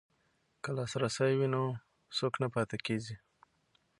که لاسرسی وي نو څوک نه پاتې کیږي.